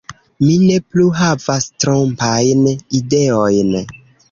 Mi ne plu havas trompajn ideojn.